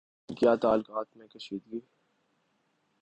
لیکن کیا تعلقات میں کشیدگی